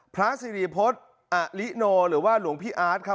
พระสิริพฤษอลิโนหรือว่าหลวงพี่อาร์ตครับ